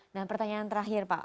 nah pertanyaan terakhir pak